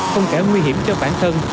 không kể nguy hiểm cho bản thân